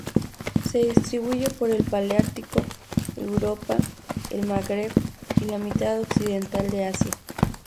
Se distribuye por el paleártico: Europa, el Magreb y la mitad occidental de Asia.